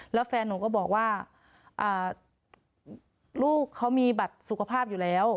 แล้วแฟนหนูก็บอกว่าลูกเขามีบัตรสุขภาพอยู่แล้ว